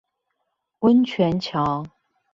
溫泉橋